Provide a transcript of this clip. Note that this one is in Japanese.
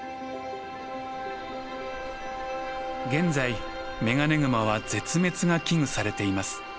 現在メガネグマは絶滅が危惧されています。